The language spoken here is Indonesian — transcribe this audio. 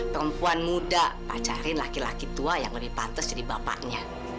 perempuan muda pacaran laki laki tua yang lebih pantas jadi bapaknya